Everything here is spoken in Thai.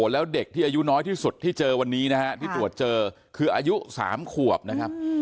แล้วเด็กที่อายุน้อยที่สุดที่เจอวันนี้นะฮะที่ตรวจเจอคืออายุ๓ขวบนะครับ